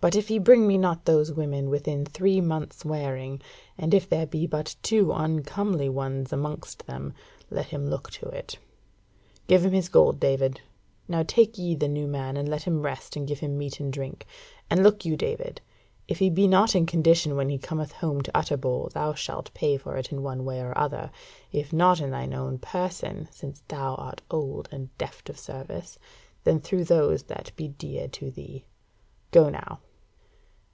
But if he bring me not those women within three months' wearing, and if there be but two uncomely ones amongst them, let him look to it. Give him his gold, David. Now take ye the new man, and let him rest, and give him meat and drink. And look you, David, if he be not in condition when he cometh home to Utterbol, thou shalt pay for it in one way or other, if not in thine own person, since thou art old, and deft of service, then through those that be dear to thee. Go now!"